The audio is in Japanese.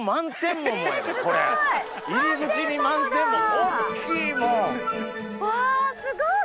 入り口に満天桃大っきいもん！わすごい！